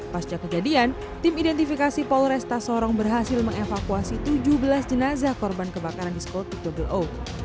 pasca kejadian tim identifikasi polresta sorong berhasil mengevakuasi tujuh belas jenazah korban kebakaran diskotik double o